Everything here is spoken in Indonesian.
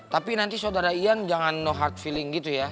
tapi nanti saudara ian jangan no hard feeling gitu ya